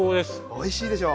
おいしいでしょう？